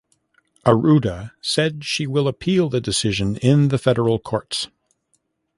Arruda said she will appeal the decision in the federal courts.